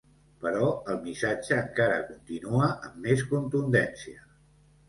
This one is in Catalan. Però el missatge encara continua amb més contundència.